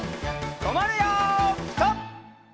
とまるよピタ！